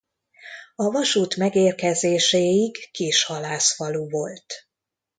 A vasút megérkezéséig kis halászfalu volt.